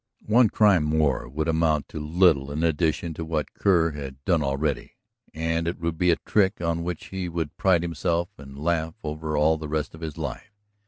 One crime more would amount to little in addition to what Kerr had done already, and it would be a trick on which he would pride himself and laugh over all the rest of his life.